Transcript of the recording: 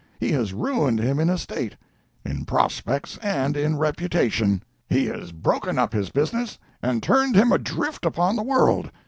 He has ruined him in estate, in prospects and in reputation. He has broken up his business and turned him adrift upon the world.